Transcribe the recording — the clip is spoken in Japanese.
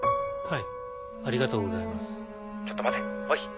はい！